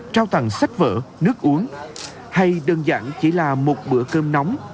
trao tặng sách vở nước uống hay đơn giản chỉ là một bữa cơm nóng